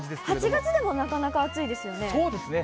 ８月でもなかなか暑いですよね。